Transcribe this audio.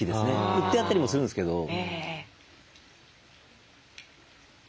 売ってあったりもするんですけど。